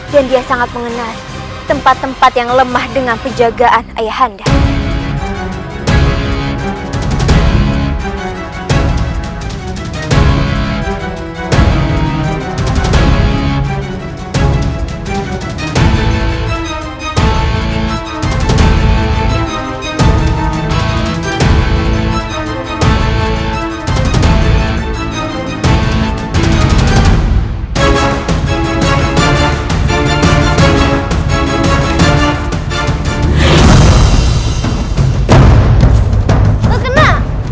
dan dia sangat mengenali tempat tempat yang lemah dengan penjagaan ayah hendra